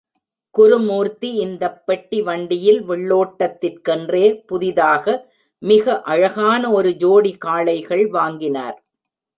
குருமூர்த்தி இந்தப் பெட்டி வண்டியில் வெள்ளோட்டத்துக்கென்றே புதிதாக மிக அழகான ஒரு ஜோடி காளைகள் வாங்கினார்.